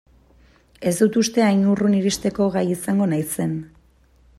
Ez dut uste hain urrun iristeko gai izango naizen.